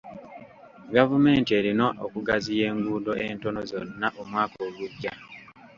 Gavumenti erina okugaziya enguudo entono zonna omwaka ogujja.